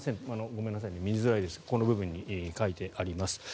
ごめんなさいね見づらいですけどこの部分に書いてあります。